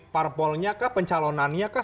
parpolnya kah pencalonannya kah